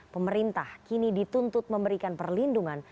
pemerintah kini dituntut memberikan perlindungan